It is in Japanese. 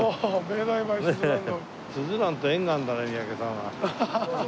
すずらんと縁があるんだね三宅さんは。